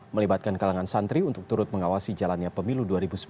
melibatkan kalangan santri untuk turut mengawasi jalannya pemilu dua ribu sembilan belas